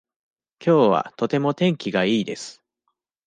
きょうはとても天気がいいです。